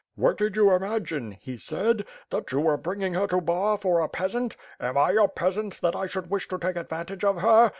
'What did you imagine,' (he said) ^that you were bringing her to Bar for a peasant? Am I a pea^nt that I should wish to take advantage of her?